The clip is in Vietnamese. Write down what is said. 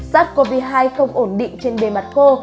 sars cov hai không ổn định trên bề mặt khô